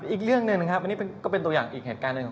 อีกเรื่องหนึ่งนะครับอันนี้ก็เป็นตัวอย่างอีกเหตุการณ์หนึ่ง